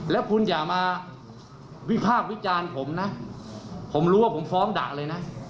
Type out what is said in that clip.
แล้วคุณอย่ามาวิพากษ์วิจารณ์ผมนะผมรู้ว่าผมฟ้องด่าเลยนะ